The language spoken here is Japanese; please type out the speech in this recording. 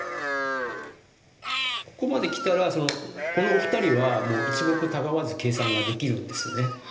ここまできたらこのお二人はもう１目たがわず計算ができるんですよね。